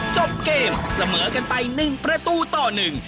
จบเกมเสมอกันไปหนึ่งประตูต่อหนึ่ง